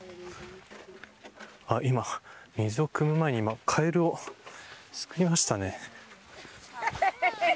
今、水をくむ前にカエルをすくいましたね。